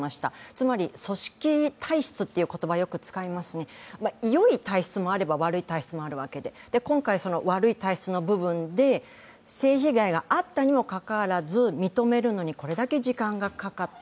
つまり組織体質という言葉をよく使いますね、よい体質もあれば悪い体質もあるわけで、今回悪い体質の部分で、性被害があったにもかかわらず、認めるのにこれだけ時間がかかった。